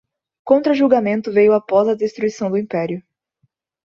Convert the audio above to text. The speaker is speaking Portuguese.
Contra-julgamento veio após a destruição do Império.